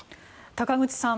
高口さん